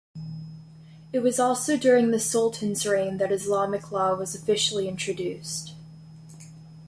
It was also during the Sultan's reign that Islamic Law was officially introduced.